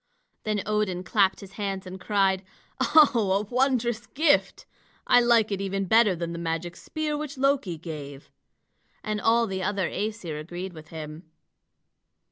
Then Odin clapped his hands and cried: "Oh, wondrous gift! I like it even better than the magic spear which Loki gave." And all the other Æsir agreed with him.